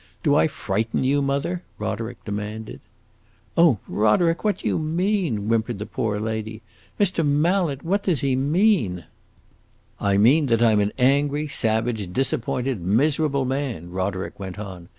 Do I frighten you, mother?" Roderick demanded. "Oh, Roderick, what do you mean?" whimpered the poor lady. "Mr. Mallet, what does he mean?" "I mean that I 'm an angry, savage, disappointed, miserable man!" Roderick went on.